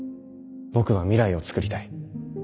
僕は未来を創りたい。